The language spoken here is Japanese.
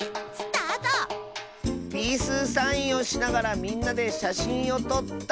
「ピースサインをしながらみんなでしゃしんをとった！」。